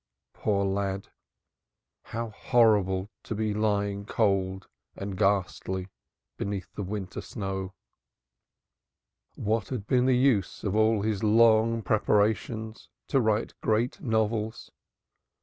Poor lad! How horrible to be lying cold and ghastly beneath the winter snow! What had been the use of all his long prepay rations to write great novels?